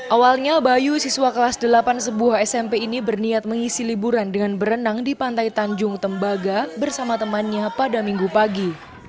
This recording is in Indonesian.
awalnya bayu siswa kelas delapan sebuah smp ini berniat mengisi liburan dengan berenang di pantai tanjung tembaga bersama temannya pada minggu pagi